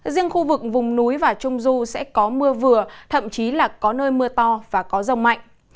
riêng khu vực vùng núi và trung du sẽ có mưa vừa thậm chí là có nơi mưa to và có rông mạnh